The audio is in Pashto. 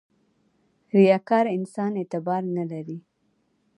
• ریاکار انسان اعتبار نه لري.